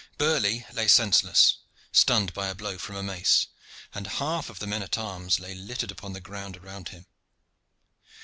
Burley lay senseless, stunned by a blow from a mace, and half of the men at arms lay littered upon the ground around him.